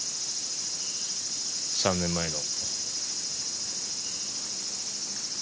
３年前の。